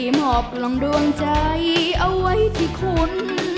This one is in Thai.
หมอบลองดวงใจเอาไว้ที่คุณ